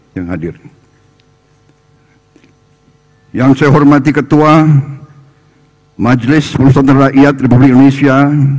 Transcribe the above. yang saya hormati ketua majelis perusahaan rakyat republik indonesia